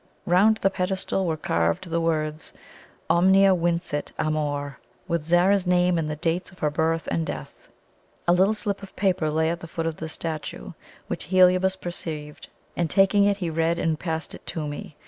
Bound the pedestal were carved the words, "Omnia vincit Amor," with Zara's name and the dates of her birth and death. A little slip of paper lay at the foot of the statue, which Heliobas perceived, and taking it he read and passed it to me.